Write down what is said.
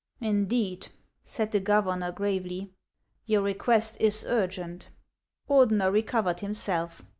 " Indeed;' said the governor, gravely, " your request is urgent." Ordener recovered himself.